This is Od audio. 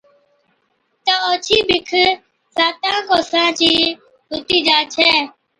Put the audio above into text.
تہ اوڇِي بِک ساتان ڪوسان چِي هُتِي جا ڇَي۔